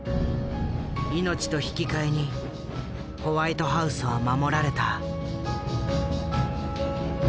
命と引き換えにホワイトハウスは守られた。